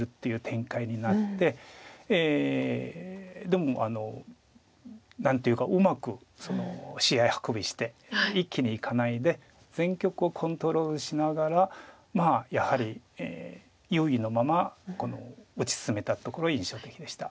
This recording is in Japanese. でも何ていうかうまく試合運びして一気にいかないで全局をコントロールしながらやはり優位のまま打ち進めたところが印象的でした。